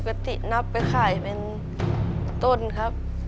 ตินับไปขายเป็นต้นครับ